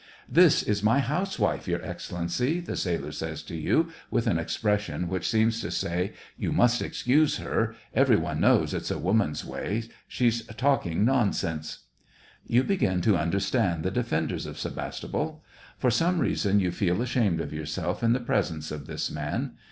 " This is my housewife. Your Excellency !" the sailor says to you, with an expression which seems to say, You must excuse her. Every one knows it's a woman's way — she's talking non sense." You begin to understand the defenders of Sevastopol. For some reason, you feel ashamed of yourself in the presence of this man.